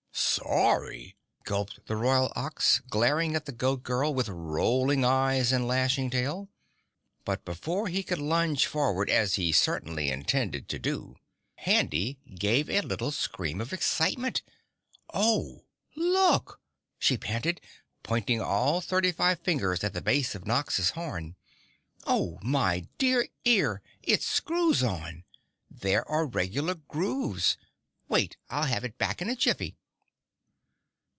"Sorry!" gulped the Royal Ox, glaring at the Goat Girl with rolling eyes and lashing tail. But before he could lunge forward as he certainly intended to do, Handy gave a little scream of excitement. "Oh look," she panted, pointing all thirty five fingers at the base of Nox's horn, "Oh, my dear ear, it screws on there are regular grooves. Wait I'll have it back in a jiffy."